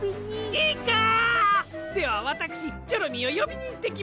ギガ！ではわたくしチョロミーをよびにいってきます！